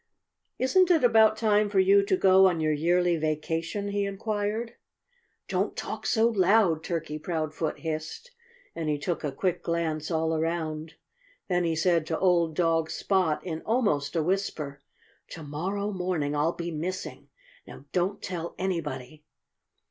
"Isn't it about time for you to go on your yearly vacation?" he inquired. "Don't talk so loud!" Turkey Proudfoot hissed. And he took a quick glance all around. Then he said to old dog Spot, in almost a whisper, "To morrow morning I'll be missing. Now, don't tell anybody!"